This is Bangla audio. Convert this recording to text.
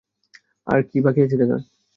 আর কী বাকি আছে দেখার?